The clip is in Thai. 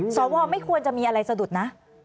สวไม่ควรจะมีอะไรสะดุดนะ